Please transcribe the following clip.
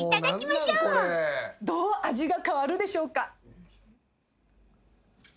どう味が変わるでしょうか？